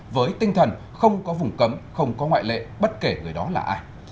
với tinh thần không có vùng cấm không có ngoại lệ bất kể người đó là ai